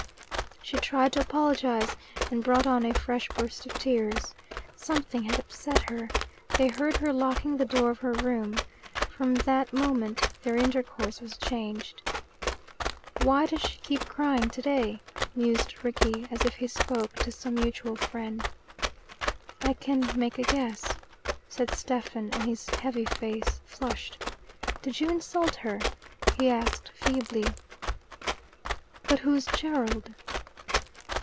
She tried to apologize, and brought on a fresh burst of tears. Something had upset her. They heard her locking the door of her room. From that moment their intercourse was changed. "Why does she keep crying today?" mused Rickie, as if he spoke to some mutual friend. "I can make a guess," said Stephen, and his heavy face flushed. "Did you insult her?" he asked feebly. "But who's Gerald?"